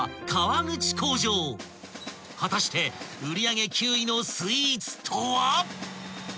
［果たして売上９位のスイーツとは］